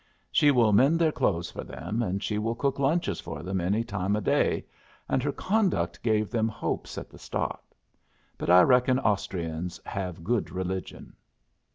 She will mend their clothes for them, and she will cook lunches for them any time o' day, and her conduct gave them hopes at the start. But I reckon Austrians have good religion."